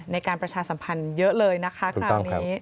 ประชาสัมพันธ์เยอะเลยนะคะคราวนี้